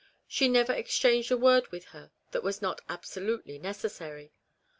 She never exchanged a word with her that was not absolutely necessary.